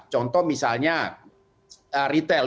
contoh misalnya retail